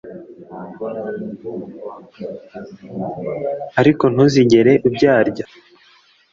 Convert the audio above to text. ariko ntuzigere ubyarya